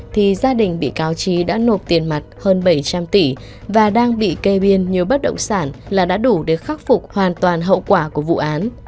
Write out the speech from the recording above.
thì gia đình bị cáo trí đã nộp tiền mặt hơn bảy trăm linh tỷ và đang bị kê biên nhiều bất động sản là đã đủ để khắc phục hoàn toàn hậu quả của vụ án